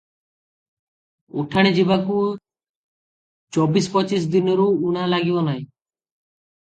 ଉଠାଣି ଯିବାକୁ ଚବିଶ ପଚିଶ ଦିନରୁ ଉଣା ଲାଗିବ ନାହିଁ ।